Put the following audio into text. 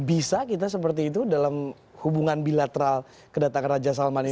bisa kita seperti itu dalam hubungan bilateral kedatangan raja salman ini